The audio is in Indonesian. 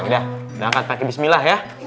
udah udah nangka ke bismillah ya